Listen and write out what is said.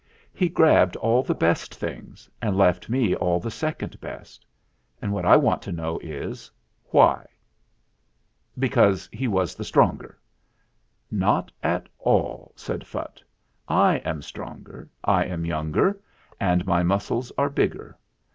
He grabbed all the best things and left me all the second best. And what I want to know is, why ?" "Because he was the stronger." "Not at all," said Phutt. "I am stronger, I am younger ; and my muscles are bigger.